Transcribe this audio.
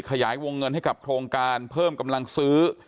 ขยายวงเงินให้กับโครงการเพิ่มกำลังซื้อ